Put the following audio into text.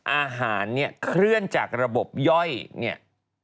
อาหารเนี่ยเคลื่อนจากระบบย่อยเนี่ย